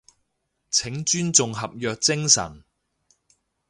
請尊重合約精神